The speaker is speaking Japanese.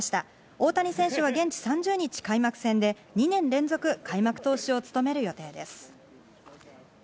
大谷選手は現地３０日、開幕戦で２年連続、開幕投手を務める予定です。